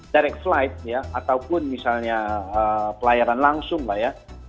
direct flight ya ataupun misalnya pelayaran langsung lah ya